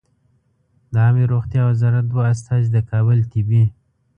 د عامې روغتیا وزارت دوه استازي د کابل طبي